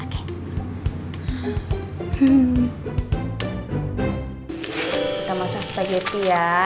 kita masak spageti ya